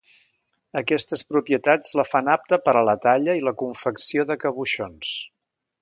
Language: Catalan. Aquestes propietats la fan apta per a la talla i la confecció de caboixons.